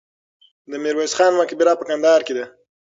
د میرویس خان مقبره په کندهار کې ده.